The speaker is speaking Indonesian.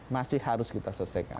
masih harus kita selesaikan